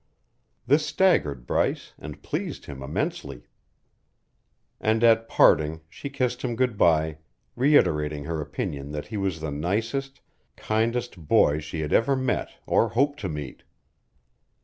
This staggered Bryce and pleased him immensely. And at parting she kissed him good bye, reiterating her opinion that he was the nicest, kindest boy she had ever met or hoped to meet.